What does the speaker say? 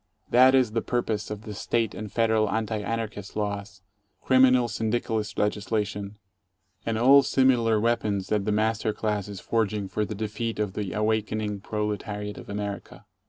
That is the purpose of the State and Federal Anti Anarchist laws, criminal syndicalist legislation, and all 21 similar weapons that the master class is forging for the defeat of the awakening proletariat of America.